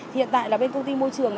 thì hiện tại là bên công ty môi trường